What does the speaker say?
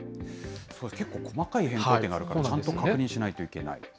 結構細かい変更点があるからちゃんと確認しないといけない。